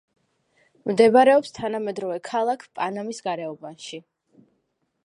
მდებარეობს თანამედროვე ქალაქ პანამის გარეუბანში.